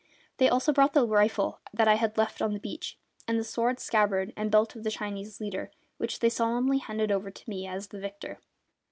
They also brought the rifle that I had left on the beach, and the sword, scabbard, and belt of the Chinese leader, which they solemnly handed over to me as the victor.